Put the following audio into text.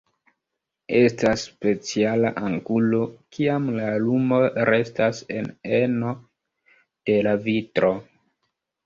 Estas speciala angulo, kiam la lumo restas en eno de la vitro.